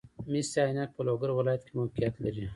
مس عینک په لوګر ولایت کې موقعیت لري